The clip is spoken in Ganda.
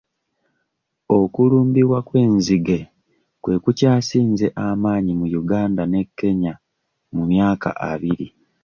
Okulumbibwa kw'enzige kwe kukyasinze amannyi mu Uganga ne Kenya mu myaka abiri.